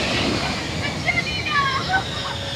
لمر په سهار کې له غره پورته کېږي.